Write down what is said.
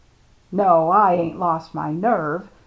"No, I ain't lost my nerve.